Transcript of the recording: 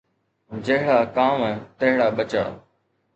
جهڙا ڪانوَ تهڙا ٻچا